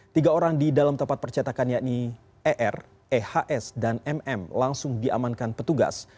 tiga orang di dalam tempat percetakan yakni er ehs dan mm langsung diamankan petugas